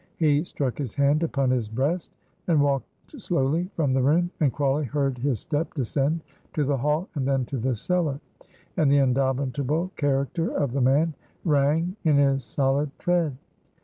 He struck his hand upon his breast, and walked slowly from the room. And Crawley heard his step descend to the hall, and then to the cellar; and the indomitable character of the man rang in his solid tread.